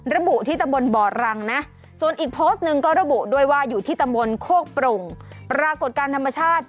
ระบุที่ตำบลบ่อรังนะส่วนอีกโพสต์หนึ่งก็ระบุด้วยว่าอยู่ที่ตำบลโคกปรุงปรากฏการณ์ธรรมชาติ